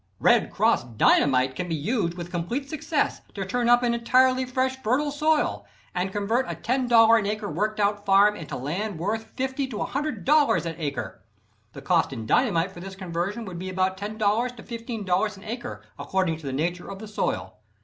"Red Cross" Dynamite can be used with complete success to turn up an entirely fresh, fertile soil, and convert a $10 an acre "worked out farm" into land worth $50 to $100 an acre. The cost in dynamite for this conversion would be about $10 to $15 an acre according to the nature of the soil.